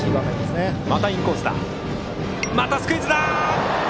またスクイズだ！